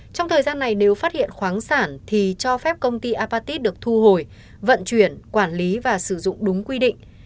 trong thời gian này nếu phát hiện khoáng sản thì cho phép công ty apatit được thu hồi vận chuyển quản lý và sử dụng đúng quy định